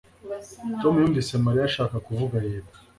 Tom yumvise Mariya ashaka kuvuga yego